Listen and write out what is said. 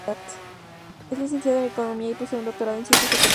Es Licenciado en Economía y posee un doctorado en Ciencias Económicas.